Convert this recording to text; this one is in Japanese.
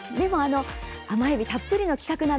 甘えびたっぷりの企画